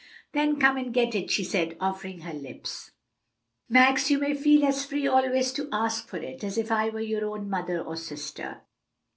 "Then come and get it," she said, offering her lips. "Max, you may feel as free always to ask for it as if I were your own mother or sister."